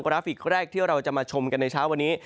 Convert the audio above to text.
ราฟิกแรกที่เราจะมาชมกันในเช้าวันนี้